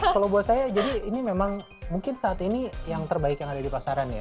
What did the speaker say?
kalau buat saya jadi ini memang mungkin saat ini yang terbaik yang ada di pasaran ya